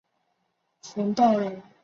冯道人。